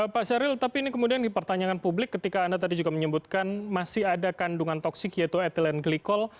pak syahril tapi ini kemudian dipertanyakan publik ketika anda tadi juga menyebutkan masih ada kandungan toksik yaitu ethylene glycol